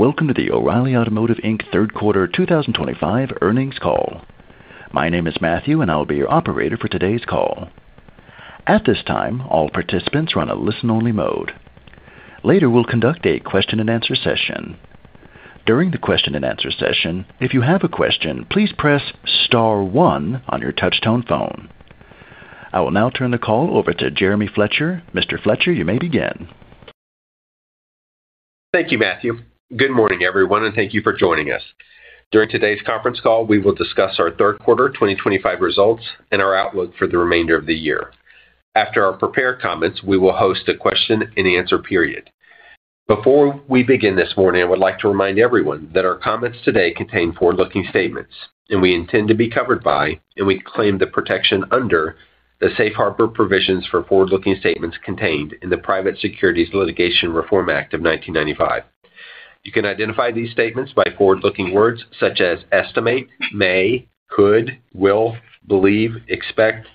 Welcome to the O'Reilly Automotive, Inc. third quarter 2025 earnings call. My name is Matthew, and I'll be your operator for today's call. At this time, all participants are on a listen-only mode. Later, we'll conduct a question-and-answer session. During the question-and-answer session, if you have a question, please press star one on your touch-tone phone. I will now turn the call over to Jeremy Fletcher. Mr. Fletcher, you may begin. Thank you, Matthew. Good morning, everyone, and thank you for joining us. During today's conference call, we will discuss our third quarter 2025 results and our outlook for the remainder of the year. After our prepared comments, we will host a question-and-answer period. Before we begin this morning, I would like to remind everyone that our comments today contain forward-looking statements, and we intend to be covered by, and we claim the protection under, the safe harbor provisions for forward-looking statements contained in the Private Securities Litigation Reform Act of 1995. You can identify these statements by forward-looking words such as estimate, may, could, will, believe, expect,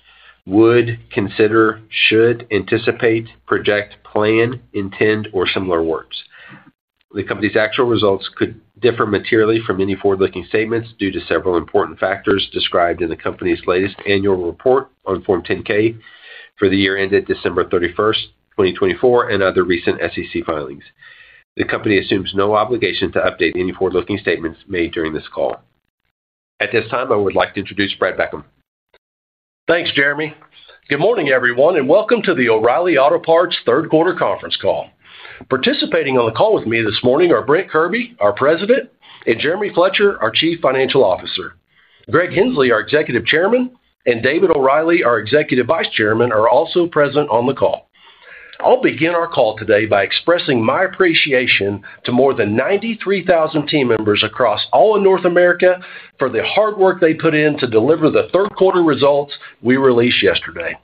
would, consider, should, anticipate, project, plan, intend, or similar words. The company's actual results could differ materially from any forward-looking statements due to several important factors described in the company's latest annual report on Form 10-K for the year ended December 31, 2024, and other recent SEC filings. The company assumes no obligation to update any forward-looking statements made during this call. At this time, I would like to introduce Brad Beckham. Thanks, Jeremy. Good morning, everyone, and welcome to the O'Reilly Automotive Third Quarter Conference Call. Participating on the call with me this morning are Brent Kirby, our President, and Jeremy Fletcher, our Chief Financial Officer. Greg Henslee, our Executive Chairman, and David O'Reilly, our Executive Vice Chairman, are also present on the call. I'll begin our call today by expressing my appreciation to more than 93,000 team members across all of North America for the hard work they put in to deliver the third quarter results we released yesterday.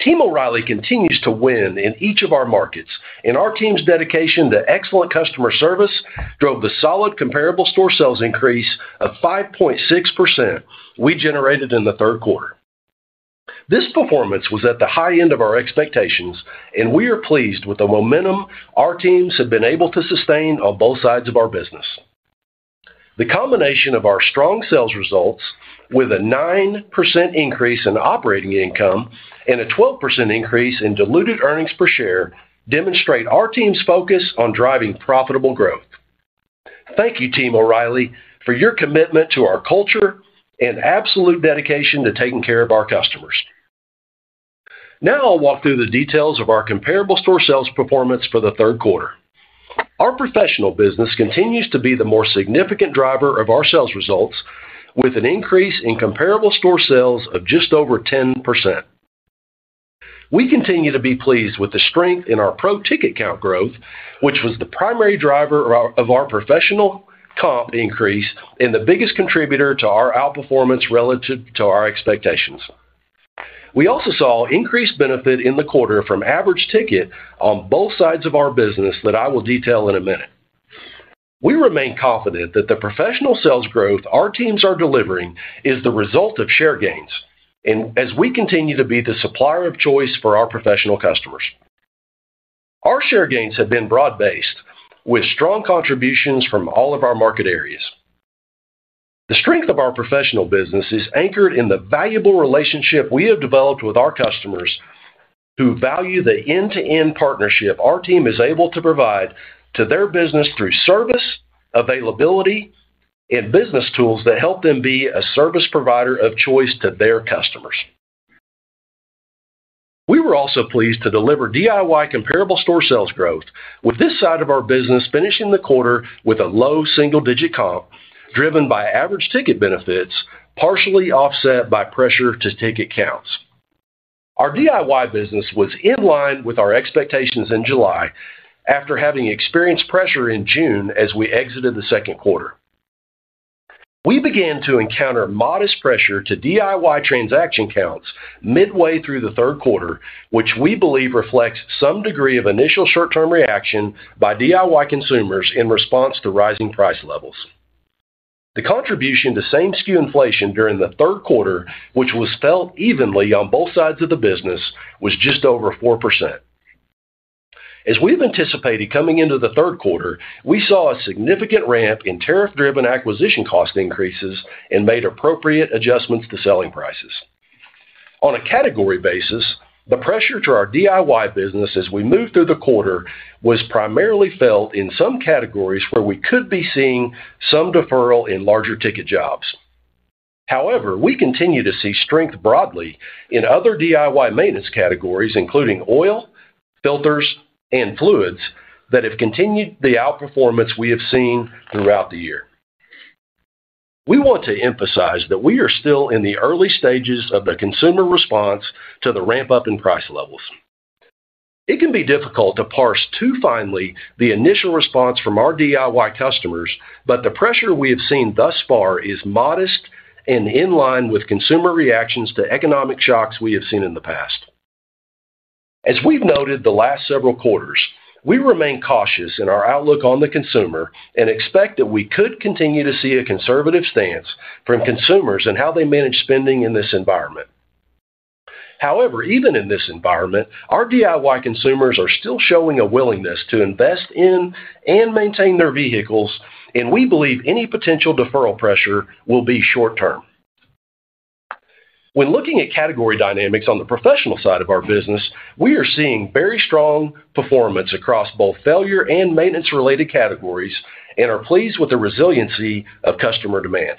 Team O'Reilly continues to win in each of our markets, and our team's dedication to excellent customer service drove the solid comparable store sales increase of 5.6% we generated in the third quarter. This performance was at the high end of our expectations, and we are pleased with the momentum our teams have been able to sustain on both sides of our business. The combination of our strong sales results with a 9% increase in operating income and a 12% increase in diluted earnings per share demonstrate our team's focus on driving profitable growth. Thank you, Team O'Reilly, for your commitment to our culture and absolute dedication to taking care of our customers. Now I'll walk through the details of our comparable store sales performance for the third quarter. Our professional business continues to be the more significant driver of our sales results with an increase in comparable store sales of just over 10%. We continue to be pleased with the strength in our pro-ticket count growth, which was the primary driver of our professional comp increase and the biggest contributor to our outperformance relative to our expectations. We also saw increased benefit in the quarter from average ticket on both sides of our business that I will detail in a minute. We remain confident that the professional sales growth our teams are delivering is the result of share gains, and as we continue to be the supplier of choice for our professional customers. Our share gains have been broad-based with strong contributions from all of our market areas. The strength of our professional business is anchored in the valuable relationship we have developed with our customers, who value the end-to-end partnership our team is able to provide to their business through service, availability, and business tools that help them be a service provider of choice to their customers. We were also pleased to deliver DIY comparable store sales growth, with this side of our business finishing the quarter with a low single-digit comp driven by average ticket benefits, partially offset by pressure to ticket counts. Our DIY business was in line with our expectations in July, after having experienced pressure in June as we exited the second quarter. We began to encounter modest pressure to DIY transaction counts midway through the third quarter, which we believe reflects some degree of initial short-term reaction by DIY consumers in response to rising price levels. The contribution to same-SKU inflation during the third quarter, which was felt evenly on both sides of the business, was just over 4%. As we've anticipated coming into the third quarter, we saw a significant ramp in tariff-driven acquisition cost increases and made appropriate adjustments to selling prices. On a category basis, the pressure to our DIY business as we moved through the quarter was primarily felt in some categories where we could be seeing some deferral in larger ticket jobs. However, we continue to see strength broadly in other DIY maintenance categories, including oil, filters, and fluids, that have continued the outperformance we have seen throughout the year. We want to emphasize that we are still in the early stages of the consumer response to the ramp-up in price levels. It can be difficult to parse too finely the initial response from our DIY customers, but the pressure we have seen thus far is modest and in line with consumer reactions to economic shocks we have seen in the past. As we've noted the last several quarters, we remain cautious in our outlook on the consumer and expect that we could continue to see a conservative stance from consumers and how they manage spending in this environment. However, even in this environment, our DIY consumers are still showing a willingness to invest in and maintain their vehicles, and we believe any potential deferral pressure will be short-term. When looking at category dynamics on the professional side of our business, we are seeing very strong performance across both failure and maintenance-related categories and are pleased with the resiliency of customer demand.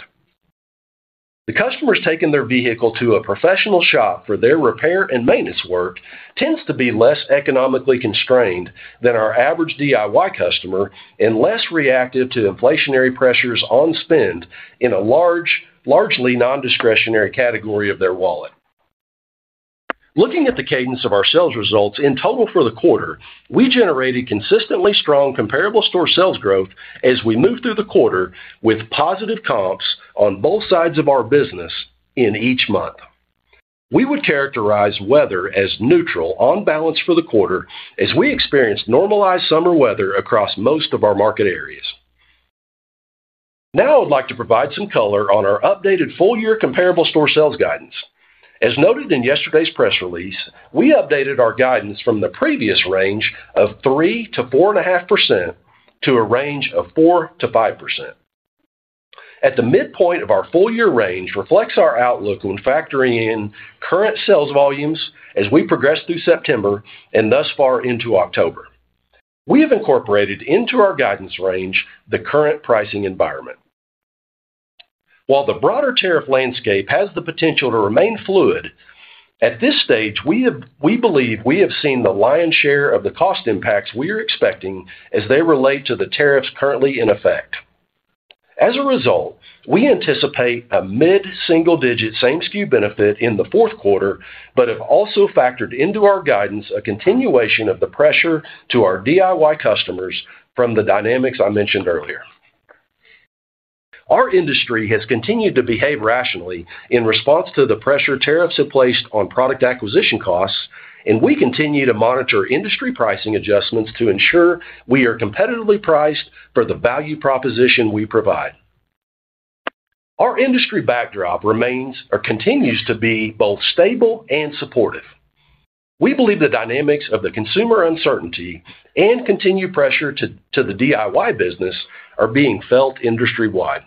The customer's taking their vehicle to a professional shop for their repair and maintenance work tends to be less economically constrained than our average DIY customer and less reactive to inflationary pressures on spend in a largely non-discretionary category of their wallet. Looking at the cadence of our sales results in total for the quarter, we generated consistently strong comparable store sales growth as we moved through the quarter with positive comps on both sides of our business in each month. We would characterize weather as neutral on balance for the quarter, as we experienced normalized summer weather across most of our market areas. Now I would like to provide some color on our updated full-year comparable store sales guidance. As noted in yesterday's press release, we updated our guidance from the previous range of 3%-4.5% to a range of 4%-5%. At the midpoint, our full-year range reflects our outlook when factoring in current sales volumes as we progress through September and thus far into October. We have incorporated into our guidance range the current pricing environment. While the broader tariff landscape has the potential to remain fluid, at this stage we believe we have seen the lion's share of the cost impacts we are expecting as they relate to the tariffs currently in effect. As a result, we anticipate a mid-single-digit same-SKU benefit in the fourth quarter, but have also factored into our guidance a continuation of the pressure to our DIY customers from the dynamics I mentioned earlier. Our industry has continued to behave rationally in response to the pressure tariffs have placed on product acquisition costs, and we continue to monitor industry pricing adjustments to ensure we are competitively priced for the value proposition we provide. Our industry backdrop remains or continues to be both stable and supportive. We believe the dynamics of the consumer uncertainty and continued pressure to the DIY business are being felt industry-wide.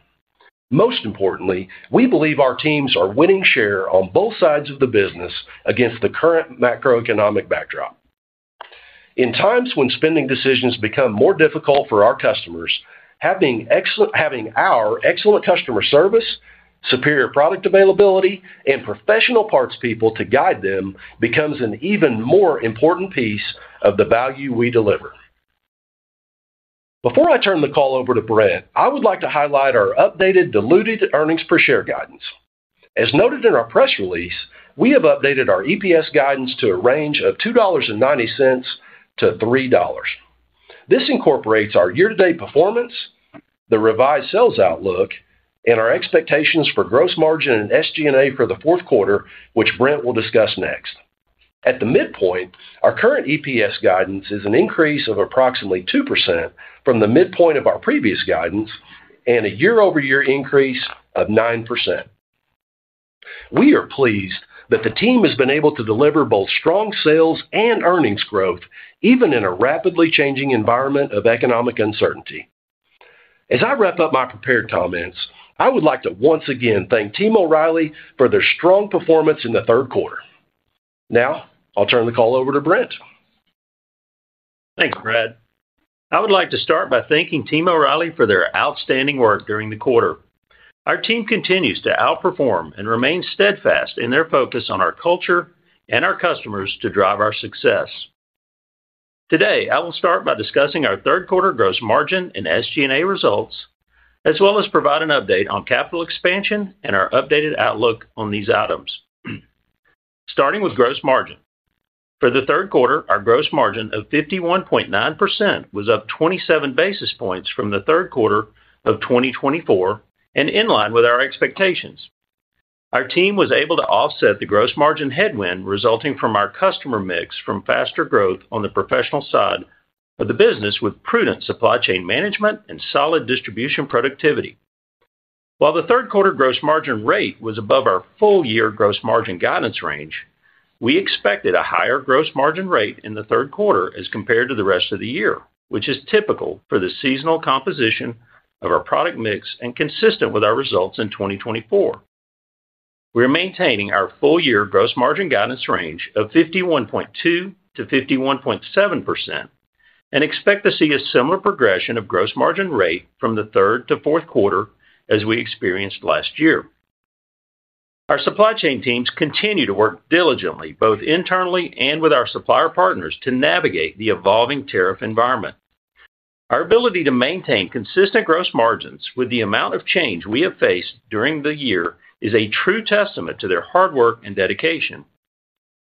Most importantly, we believe our teams are winning share on both sides of the business against the current macroeconomic backdrop. In times when spending decisions become more difficult for our customers, having our excellent customer service, superior product availability, and professional parts people to guide them becomes an even more important piece of the value we deliver. Before I turn the call over to Brent, I would like to highlight our updated diluted earnings per share guidance. As noted in our press release, we have updated our EPS guidance to a range of $2.90-$3.00. This incorporates our year-to-date performance, the revised sales outlook, and our expectations for gross margin and SG&A for the fourth quarter, which Brent will discuss next. At the midpoint, our current EPS guidance is an increase of approximately 2% from the midpoint of our previous guidance and a year-over-year increase of 9%. We are pleased that the team has been able to deliver both strong sales and earnings growth, even in a rapidly changing environment of economic uncertainty. As I wrap up my prepared comments, I would like to once again thank Team O'Reilly for their strong performance in the third quarter. Now I'll turn the call over to Brent. Thanks, Brad. I would like to start by thanking Team O'Reilly for their outstanding work during the quarter. Our team continues to outperform and remain steadfast in their focus on our culture and our customers to drive our success. Today, I will start by discussing our third quarter gross margin and SG&A results, as well as provide an update on capital expansion and our updated outlook on these items. Starting with gross margin. For the third quarter, our gross margin of 51.9% was up 27 basis points from the third quarter of 2024 and in line with our expectations. Our team was able to offset the gross margin headwind resulting from our customer mix from faster growth on the professional side of the business with prudent supply chain management and solid distribution productivity. While the third quarter gross margin rate was above our full-year gross margin guidance range, we expected a higher gross margin rate in the third quarter as compared to the rest of the year, which is typical for the seasonal composition of our product mix and consistent with our results in 2024. We are maintaining our full-year gross margin guidance range of 51.2%-51.7% and expect to see a similar progression of gross margin rate from the third to fourth quarter as we experienced last year. Our supply chain teams continue to work diligently, both internally and with our supplier partners, to navigate the evolving tariff environment. Our ability to maintain consistent gross margins with the amount of change we have faced during the year is a true testament to their hard work and dedication.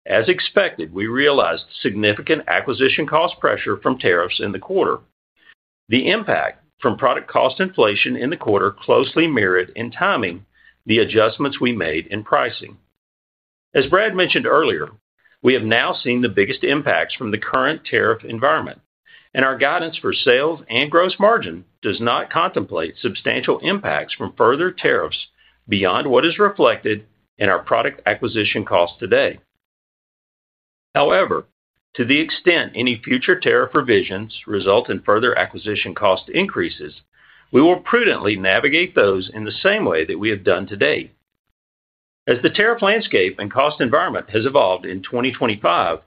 As expected, we realized significant acquisition cost pressure from tariffs in the quarter. The impact from product cost inflation in the quarter closely mirrored in timing the adjustments we made in pricing. As Brad mentioned earlier, we have now seen the biggest impacts from the current tariff environment, and our guidance for sales and gross margin does not contemplate substantial impacts from further tariffs beyond what is reflected in our product acquisition cost today. However, to the extent any future tariff provisions result in further acquisition cost increases, we will prudently navigate those in the same way that we have done to date. As the tariff landscape and cost environment has evolved in 2025,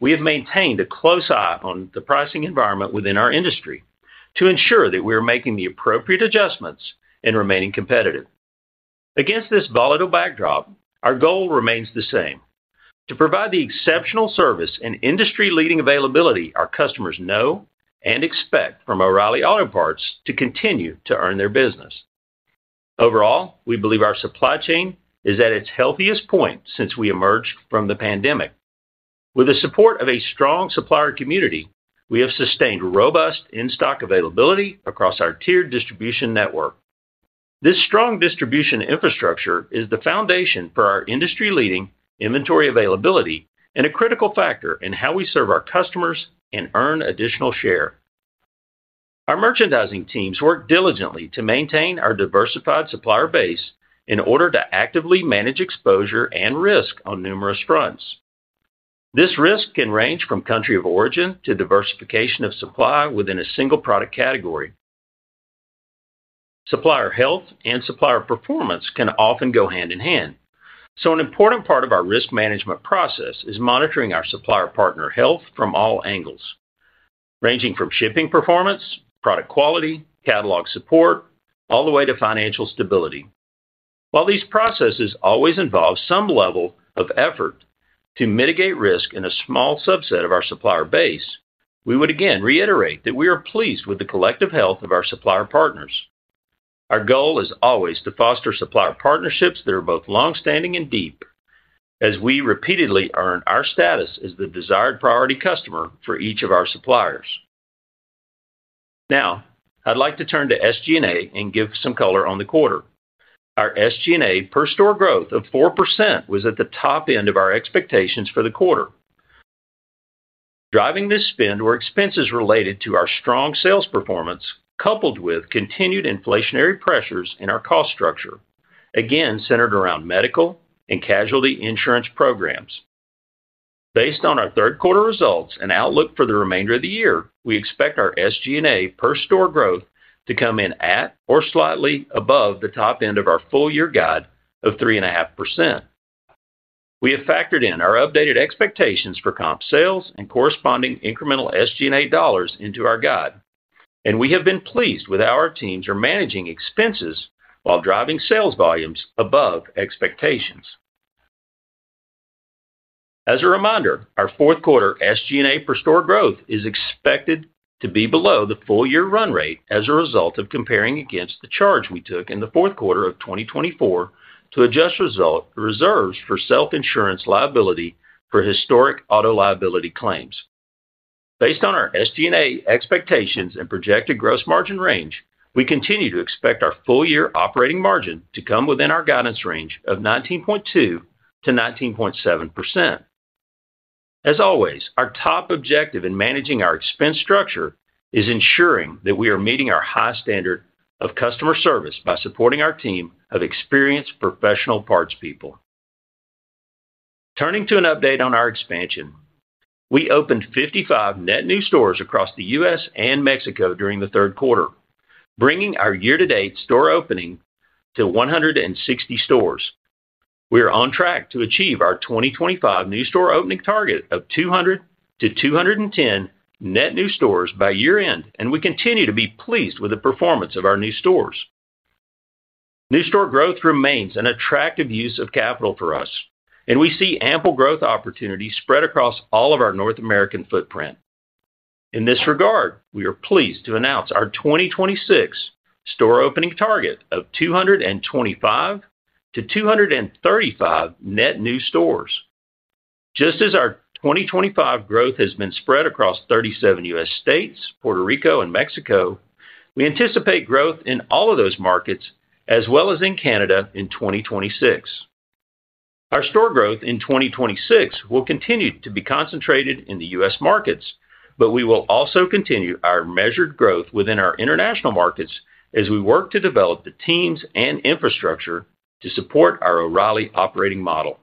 we have maintained a close eye on the pricing environment within our industry to ensure that we are making the appropriate adjustments and remaining competitive. Against this volatile backdrop, our goal remains the same: to provide the exceptional service and industry-leading availability our customers know and expect from O'Reilly Automotive to continue to earn their business. Overall, we believe our supply chain is at its healthiest point since we emerged from the pandemic. With the support of a strong supplier community, we have sustained robust in-stock availability across our tiered distribution network. This strong distribution infrastructure is the foundation for our industry-leading inventory availability and a critical factor in how we serve our customers and earn additional share. Our merchandising teams work diligently to maintain our diversified supplier base in order to actively manage exposure and risk on numerous fronts. This risk can range from country of origin to diversification of supply within a single product category. Supplier health and supplier performance can often go hand in hand, so an important part of our risk management process is monitoring our supplier partner health from all angles, ranging from shipping performance, product quality, catalog support, all the way to financial stability. While these processes always involve some level of effort to mitigate risk in a small subset of our supplier base, we would again reiterate that we are pleased with the collective health of our supplier partners. Our goal is always to foster supplier partnerships that are both long-standing and deep, as we repeatedly earn our status as the desired priority customer for each of our suppliers. Now, I'd like to turn to SG&A and give some color on the quarter. Our SG&A per store growth of 4% was at the top end of our expectations for the quarter. Driving this spend were expenses related to our strong sales performance, coupled with continued inflationary pressures in our cost structure, again centered around medical and casualty insurance programs. Based on our third quarter results and outlook for the remainder of the year, we expect our SG&A per store growth to come in at or slightly above the top end of our full-year guide of 3.5%. We have factored in our updated expectations for comparable store sales and corresponding incremental SG&A dollars into our guide, and we have been pleased with how our teams are managing expenses while driving sales volumes above expectations. As a reminder, our fourth quarter SG&A per store growth is expected to be below the full-year run rate as a result of comparing against the charge we took in the fourth quarter of 2024 to adjust reserves for self-insurance liability for historic auto liability claims. Based on our SG&A expectations and projected gross margin range, we continue to expect our full-year operating margin to come within our guidance range of 19.2%-19.7%. As always, our top objective in managing our expense structure is ensuring that we are meeting our high standard of customer service by supporting our team of experienced professional parts people. Turning to an update on our expansion, we opened 55 net new stores across the U.S. and Mexico during the third quarter, bringing our year-to-date store opening to 160 stores. We are on track to achieve our 2025 new store opening target of 200-210 net new stores by year-end, and we continue to be pleased with the performance of our new stores. New store growth remains an attractive use of capital for us, and we see ample growth opportunities spread across all of our North American footprint. In this regard, we are pleased to announce our 2026 store opening target of 225 to 235 net new stores. Just as our 2025 growth has been spread across 37 U.S. states, Puerto Rico, and Mexico, we anticipate growth in all of those markets, as well as in Canada, in 2026. Our store growth in 2026 will continue to be concentrated in the U.S. markets, but we will also continue our measured growth within our international markets as we work to develop the teams and infrastructure to support our O'Reilly operating model.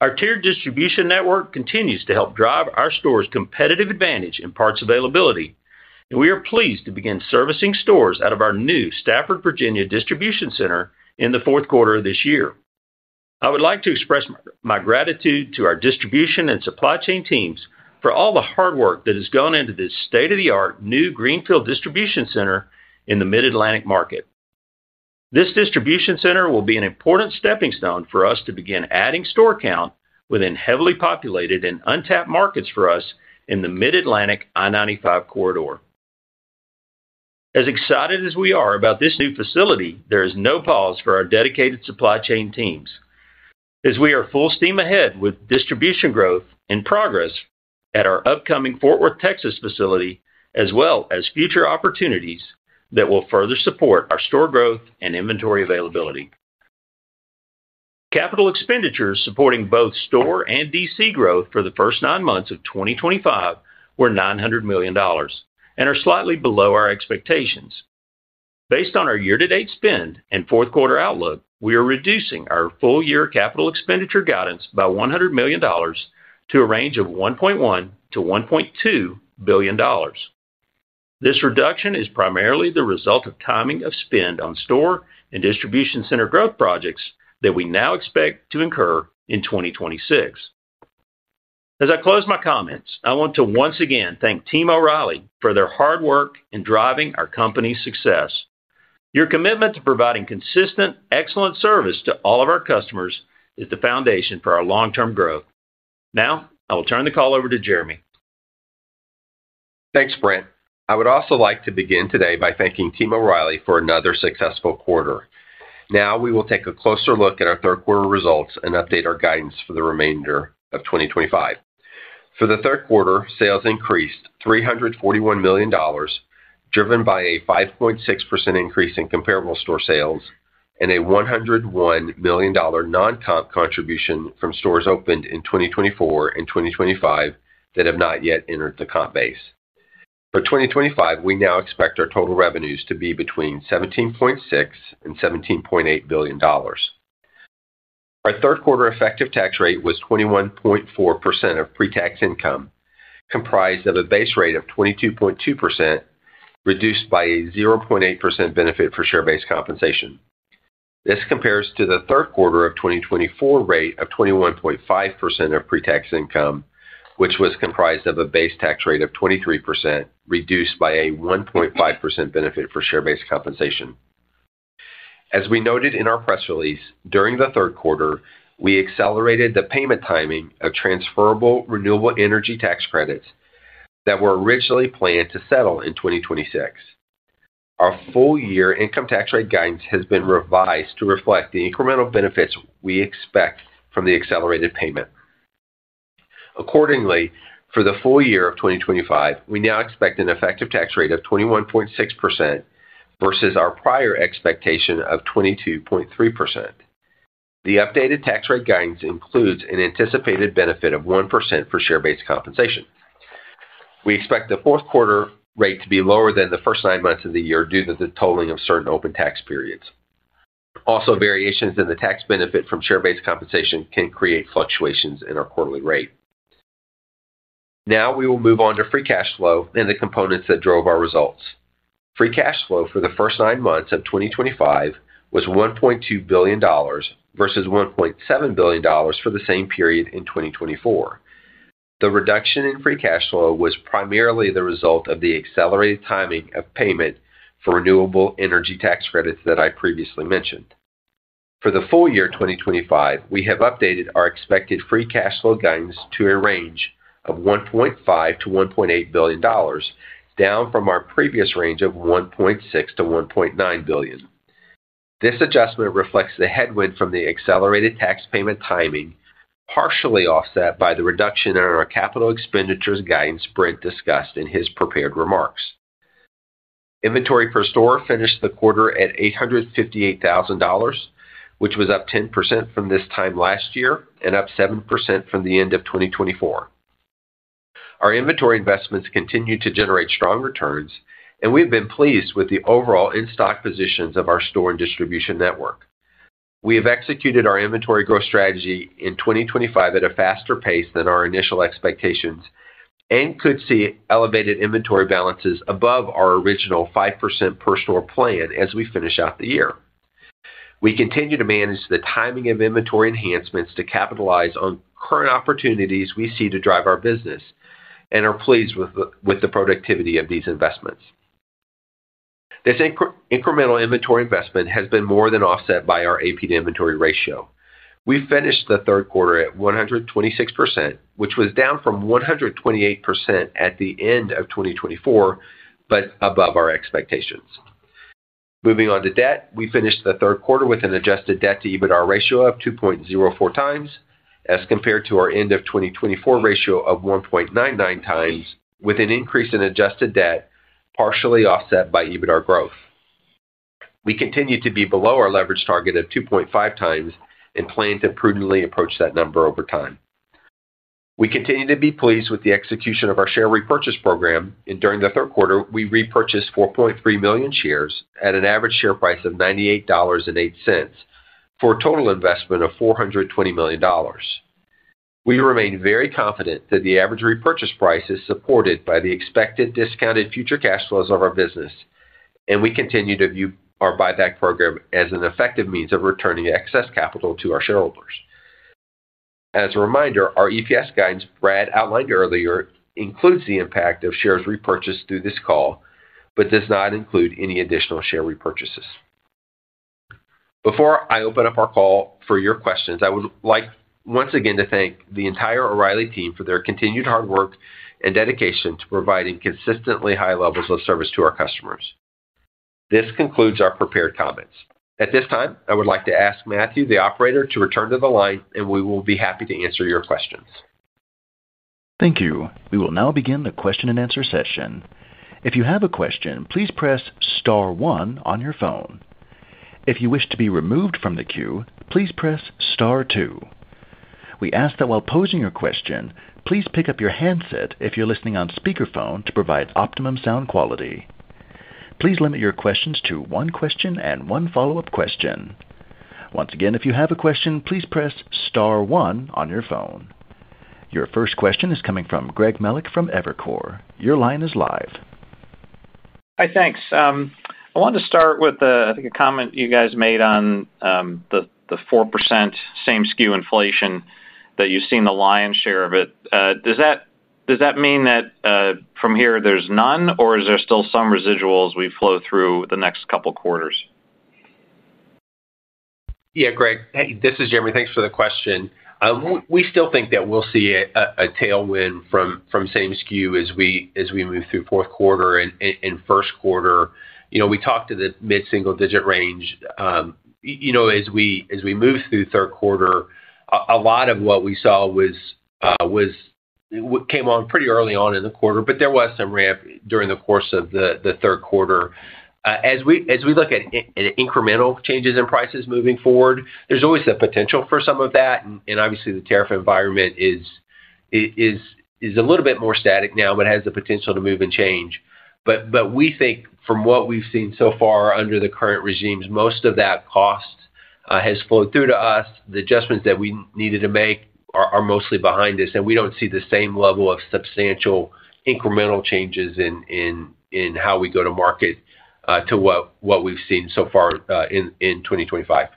Our tiered distribution network continues to help drive our stores' competitive advantage in parts availability, and we are pleased to begin servicing stores out of our new Stafford, Virginia, distribution center in the fourth quarter of this year. I would like to express my gratitude to our distribution and supply chain teams for all the hard work that has gone into this state-of-the-art new Greenfield distribution center in the Mid-Atlantic market. This distribution center will be an important stepping stone for us to begin adding store count within heavily populated and untapped markets for us in the Mid-Atlantic I-95 corridor. As excited as we are about this new facility, there is no pause for our dedicated supply chain teams. As we are full steam ahead with distribution growth and progress at our upcoming Fort Worth, Texas, facility, as well as future opportunities that will further support our store growth and inventory availability. Capital expenditures supporting both store and DC growth for the first nine months of 2025 were $900 million and are slightly below our expectations. Based on our year-to-date spend and fourth quarter outlook, we are reducing our full-year capital expenditure guidance by $100 million to a range of $1.1-$1.2 billion. This reduction is primarily the result of timing of spend on store and distribution center growth projects that we now expect to incur in 2026. As I close my comments, I want to once again thank Team O'Reilly for their hard work in driving our company's success. Your commitment to providing consistent, excellent service to all of our customers is the foundation for our long-term growth. Now, I will turn the call over to Jeremy. Thanks, Brent. I would also like to begin today by thanking Team O'Reilly for another successful quarter. Now, we will take a closer look at our third quarter results and update our guidance for the remainder of 2025. For the third quarter, sales increased $341 million, driven by a 5.6% increase in comparable store sales and a $101 million non-comp contribution from stores opened in 2024 and 2025 that have not yet entered the comp base. For 2025, we now expect our total revenues to be between $17.6 and $17.8 billion. Our third quarter effective tax rate was 21.4% of pre-tax income, comprised of a base rate of 22.2%, reduced by a 0.8% benefit for share-based compensation. This compares to the third quarter of 2024 rate of 21.5% of pre-tax income, which was comprised of a base tax rate of 23%, reduced by a 1.5% benefit for share-based compensation. As we noted in our press release during the third quarter, we accelerated the payment timing of transferable renewable energy tax credits that were originally planned to settle in 2026. Our full-year income tax rate guidance has been revised to reflect the incremental benefits we expect from the accelerated payment. Accordingly, for the full year of 2025, we now expect an effective tax rate of 21.6% versus our prior expectation of 22.3%. The updated tax rate guidance includes an anticipated benefit of 1% for share-based compensation. We expect the fourth quarter rate to be lower than the first nine months of the year due to the totaling of certain open tax periods. Also, variations in the tax benefit from share-based compensation can create fluctuations in our quarterly rate. Now, we will move on to free cash flow and the components that drove our results. Free cash flow for the first nine months of 2025 was $1.2 billion versus $1.7 billion for the same period in 2024. The reduction in free cash flow was primarily the result of the accelerated timing of payment for renewable energy tax credits that I previously mentioned. For the full year 2025, we have updated our expected free cash flow guidance to a range of $1.5-$1.8 billion, down from our previous range of $1.6 to $1.9 billion. This adjustment reflects the headwind from the accelerated tax payment timing, partially offset by the reduction in our capital expenditures guidance Brent discussed in his prepared remarks. Inventory per store finished the quarter at $858,000, which was up 10% from this time last year and up 7% from the end of 2024. Our inventory investments continue to generate strong returns, and we have been pleased with the overall in-stock positions of our store and distribution network. We have executed our inventory growth strategy in 2025 at a faster pace than our initial expectations and could see elevated inventory balances above our original 5% per store plan as we finish out the year. We continue to manage the timing of inventory enhancements to capitalize on current opportunities we see to drive our business and are pleased with the productivity of these investments. This incremental inventory investment has been more than offset by our A/P to inventory ratio. We finished the third quarter at 126%, which was down from 128% at the end of 2024, but above our expectations. Moving on to debt, we finished the third quarter with an adjusted debt to EBITDA ratio of 2.04 times as compared to our end of 2024 ratio of 1.99 times, with an increase in adjusted debt partially offset by EBITDA growth. We continue to be below our leverage target of 2.5 times and plan to prudently approach that number over time. We continue to be pleased with the execution of our share repurchase program, and during the third quarter, we repurchased 4.3 million shares at an average share price of $98.08 for a total investment of $420 million. We remain very confident that the average repurchase price is supported by the expected discounted future cash flows of our business, and we continue to view our buyback program as an effective means of returning excess capital to our shareholders. As a reminder, our EPS guidance Brad outlined earlier includes the impact of shares repurchased through this call, but does not include any additional share repurchases. Before I open up our call for your questions, I would like once again to thank the entire O'Reilly team for their continued hard work and dedication to providing consistently high levels of service to our customers. This concludes our prepared comments. At this time, I would like to ask Matthew, the operator, to return to the line, and we will be happy to answer your questions. Thank you. We will now begin the question-and-answer session. If you have a question, please press star one on your phone. If you wish to be removed from the queue, please press star two. We ask that while posing your question, please pick up your handset if you're listening on speakerphone to provide optimum sound quality. Please limit your questions to one question and one follow-up question. Once again, if you have a question, please press star one on your phone. Your first question is coming from Greg Melich from Evercore. Your line is live. Hi, thanks. I wanted to start with, I think a comment you guys made on the 4% same-SKU inflation that you've seen the lion's share of it. Does that mean that, from here there's none, or is there still some residuals we flow through the next couple of quarters? Yeah, Greg. This is Jeremy. Thanks for the question. We still think that we'll see a tailwind from same-SKU as we move through fourth quarter and first quarter. You know, we talked to the mid-single-digit range. You know, as we move through third quarter, a lot of what we saw came on pretty early on in the quarter, but there was some ramp during the course of the third quarter. As we look at incremental changes in prices moving forward, there's always the potential for some of that. Obviously, the tariff environment is a little bit more static now, but has the potential to move and change. We think from what we've seen so far under the current regimes, most of that cost has flowed through to us. The adjustments that we needed to make are mostly behind us, and we don't see the same level of substantial incremental changes in how we go to market to what we've seen so far in 2025.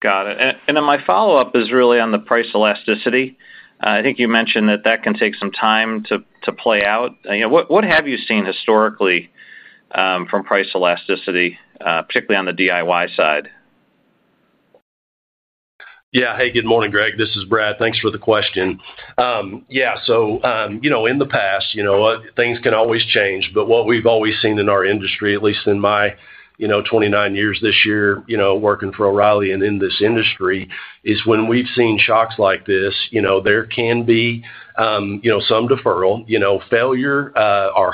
Got it. My follow-up is really on the price elasticity. I think you mentioned that can take some time to play out. What have you seen historically from price elasticity, particularly on the DIY side? Yeah. Hey, good morning, Greg. This is Brad. Thanks for the question. In the past, things can always change. What we've always seen in our industry, at least in my 29 years this year working for O'Reilly Automotive and in this industry, is when we've seen shocks like this, there can be some deferral. Failure, our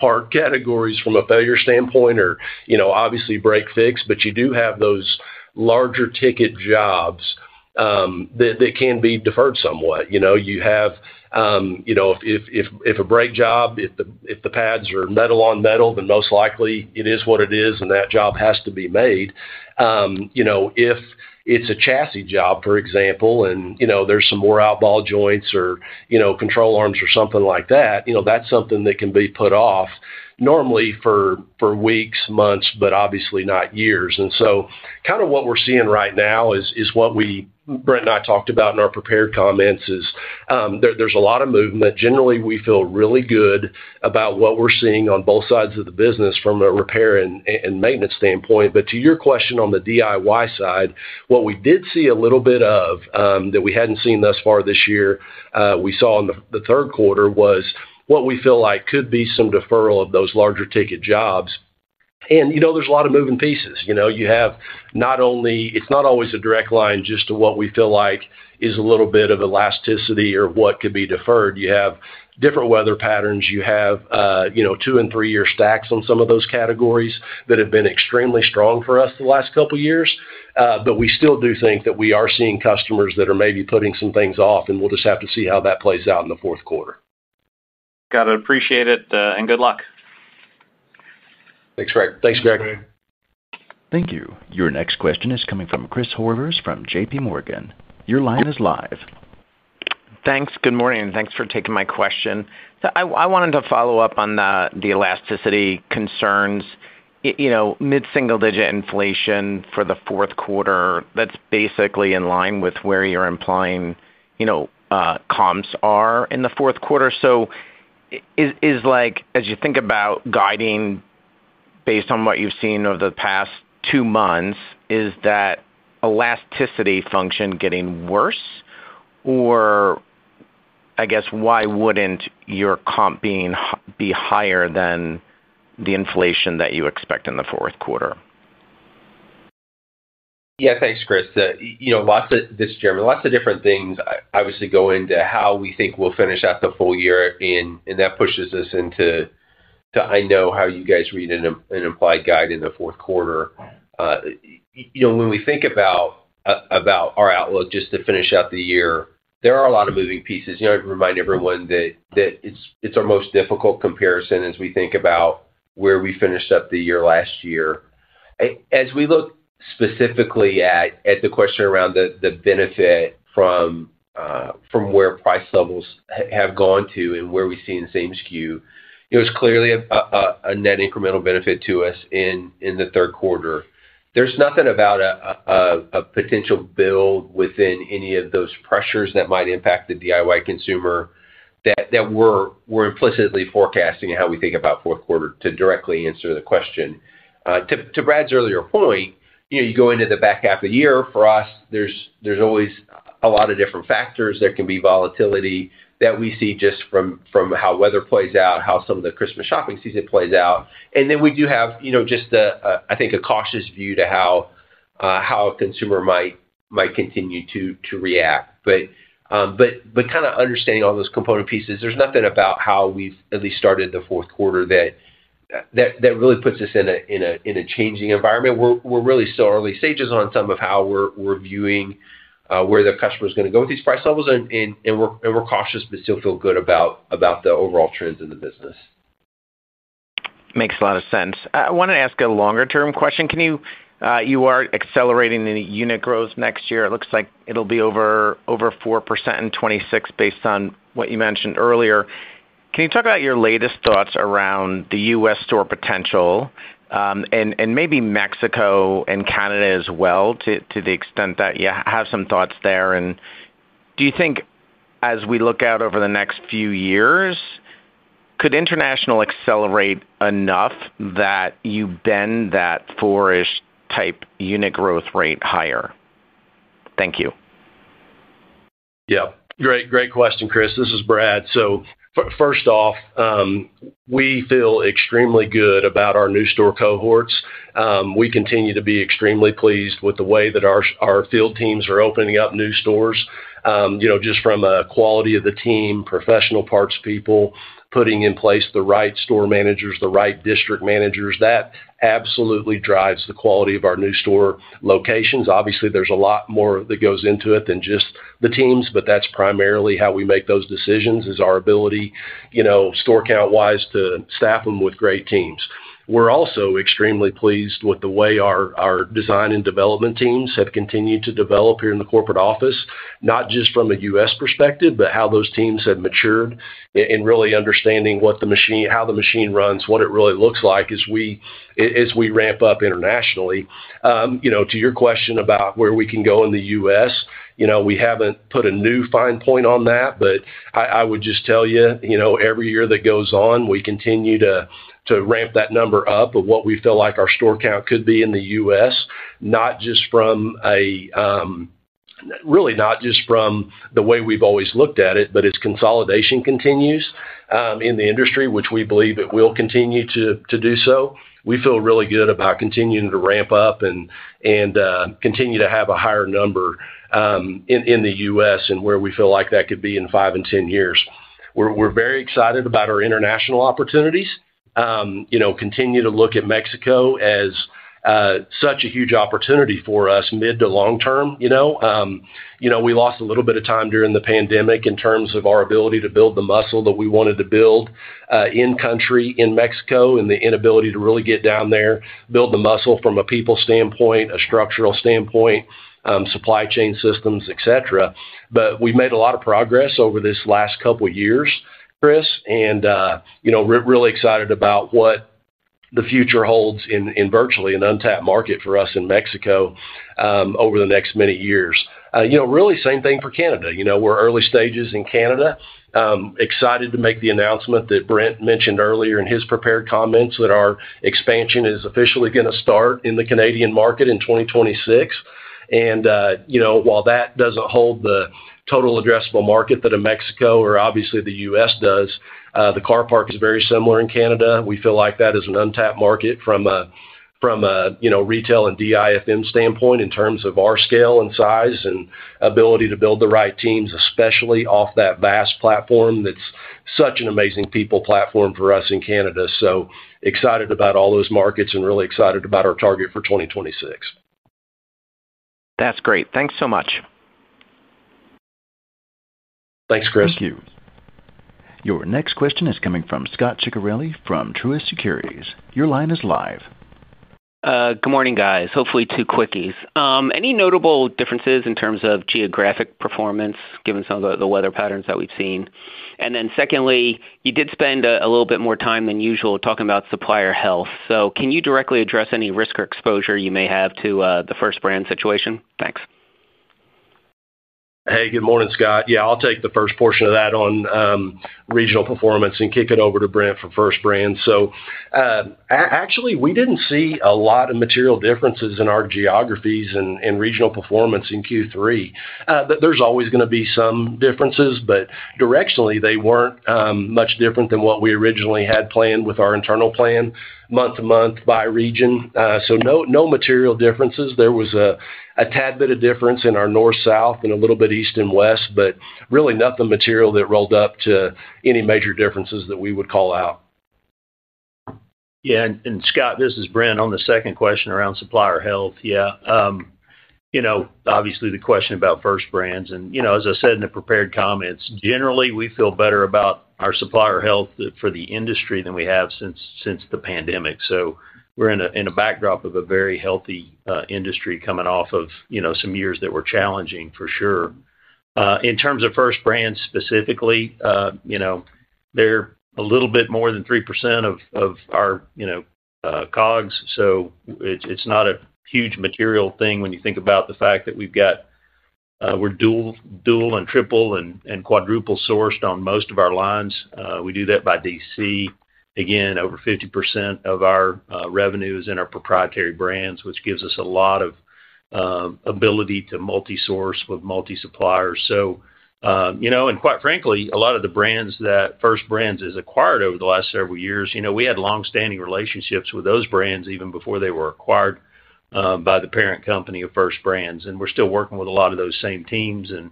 hardest part categories from a failure standpoint are obviously break-fix, but you do have those larger ticket jobs that can be deferred somewhat. If a brake job, if the pads are metal on metal, then most likely it is what it is, and that job has to be made. If it's a chassis job, for example, and there's some more out ball joints or control arms or something like that, that's something that can be put off normally for weeks, months, but obviously not years. What we're seeing right now is what we, Brent and I, talked about in our prepared comments. There's a lot of movement. Generally, we feel really good about what we're seeing on both sides of the business from a repair and maintenance standpoint. To your question on the DIY side, what we did see a little bit of that we hadn't seen thus far this year, we saw in the third quarter, was what we feel like could be some deferral of those larger ticket jobs. There's a lot of moving pieces. You have not only, it's not always a direct line just to what we feel like is a little bit of elasticity or what could be deferred. You have different weather patterns. You have two and three-year stacks on some of those categories that have been extremely strong for us the last couple of years. We still do think that we are seeing customers that are maybe putting some things off, and we'll just have to see how that plays out in the fourth quarter. Got it. Appreciate it, and good luck. Thanks, Greg. Thanks, Greg. Thank you. Your next question is coming from Chris Horvers from JPMorgan. Your line is live. Thanks. Good morning. Thanks for taking my question. I wanted to follow up on the elasticity concerns. You know, mid-single-digit inflation for the fourth quarter, that's basically in line with where you're implying comps are in the fourth quarter. As you think about guiding based on what you've seen over the past two months, is that elasticity function getting worse? I guess, why wouldn't your comp be higher than the inflation that you expect in the fourth quarter? Yeah, thanks, Chris. You know, lots of this, Jeremy, lots of different things obviously go into how we think we'll finish out the full year, and that pushes us into, I know, how you guys read an implied guide in the fourth quarter. You know, when we think about our outlook just to finish out the year, there are a lot of moving pieces. I remind everyone that it's our most difficult comparison as we think about where we finished up the year last year. As we look specifically at the question around the benefit from where price levels have gone to and where we've seen same-SKU, it was clearly a net incremental benefit to us in the third quarter. There's nothing about a potential build within any of those pressures that might impact the DIY consumer that we're implicitly forecasting in how we think about fourth quarter to directly answer the question. To Brad's earlier point, you go into the back half of the year. For us, there's always a lot of different factors. There can be volatility that we see just from how weather plays out, how some of the Christmas shopping season plays out. We do have, I think, a cautious view to how a consumer might continue to react. Kind of understanding all those component pieces, there's nothing about how we've at least started the fourth quarter that really puts us in a changing environment. We're really still early stages on some of how we're viewing where the customer is going to go with these price levels, and we're cautious but still feel good about the overall trends in the business. Makes a lot of sense. I want to ask a longer-term question. You are accelerating in unit growth next year. It looks like it'll be over 4% in 2026 based on what you mentioned earlier. Can you talk about your latest thoughts around the U.S. store potential, and maybe Mexico and Canada as well to the extent that you have some thoughts there? Do you think as we look out over the next few years, could international accelerate enough that you bend that 4%-ish type unit growth rate higher? Thank you. Yeah. Great, great question, Chris. This is Brad. First off, we feel extremely good about our new store cohorts. We continue to be extremely pleased with the way that our field teams are opening up new stores. Just from a quality of the team, professional parts people putting in place the right store managers, the right district managers, that absolutely drives the quality of our new store locations. Obviously, there's a lot more that goes into it than just the teams, but that's primarily how we make those decisions, our ability, store count-wise, to staff them with great teams. We're also extremely pleased with the way our design and development teams have continued to develop here in the corporate office, not just from a U.S. perspective, but how those teams have matured and really understanding what the machine, how the machine runs, what it really looks like as we ramp up internationally. To your question about where we can go in the U.S., we haven't put a new fine point on that, but I would just tell you, every year that goes on, we continue to ramp that number up of what we feel like our store count could be in the U.S., not just from a, really not just from the way we've always looked at it, but as consolidation continues in the industry, which we believe it will continue to do so, we feel really good about continuing to ramp up and continue to have a higher number in the U.S. and where we feel like that could be in 5 and 10 years. We're very excited about our international opportunities. We continue to look at Mexico as such a huge opportunity for us mid to long term. We lost a little bit of time during the pandemic in terms of our ability to build the muscle that we wanted to build in-country in Mexico and the inability to really get down there, build the muscle from a people standpoint, a structural standpoint, supply chain systems, etc. We've made a lot of progress over this last couple of years, Chris, and really excited about what the future holds in virtually an untapped market for us in Mexico over the next many years. Really same thing for Canada. We're early stages in Canada. Excited to make the announcement that Brent mentioned earlier in his prepared comments that our expansion is officially going to start in the Canadian market in 2026. While that doesn't hold the total addressable market that a Mexico or obviously the U.S. does, the car park is very similar in Canada. We feel like that is an untapped market from a retail and DIFM standpoint in terms of our scale and size and ability to build the right teams, especially off that vast platform that's such an amazing people platform for us in Canada. Excited about all those markets and really excited about our target for 2026. That's great. Thanks so much. Thanks, Chris. Thank you. Your next question is coming from Scot Ciccarelli from Truist Securities. Your line is live. Good morning, guys. Hopefully, two quickies. Any notable differences in terms of geographic performance given some of the weather patterns that we've seen? Secondly, you did spend a little bit more time than usual talking about supplier health. Can you directly address any risk or exposure you may have to the First Brands situation? Thanks. Hey, good morning, Scot. I'll take the first portion of that on regional performance and kick it over to Brent for First Brands. Actually, we didn't see a lot of material differences in our geographies and regional performance in Q3. There's always going to be some differences, but directionally, they weren't much different than what we originally had planned with our internal plan month to month by region. No material differences. There was a tad bit of difference in our north-south and a little bit east and west, but really nothing material that rolled up to any major differences that we would call out. Yeah. Scot, this is Brent on the second question around supplier health. Obviously, the question about First Brands. As I said in the prepared comments, generally, we feel better about our supplier health for the industry than we have since the pandemic. We're in a backdrop of a very healthy industry coming off of some years that were challenging for sure. In terms of First Brands specifically, they're a little bit more than 3% of our COGS. It's not a huge material thing when you think about the fact that we're dual and triple and quadruple sourced on most of our lines. We do that by DC. Over 50% of our revenue is in our proprietary brands, which gives us a lot of ability to multi-source with multi-suppliers. Quite frankly, a lot of the brands that First Brands has acquired over the last several years, we had long-standing relationships with those brands even before they were acquired by the parent company of First Brands. We're still working with a lot of those same teams and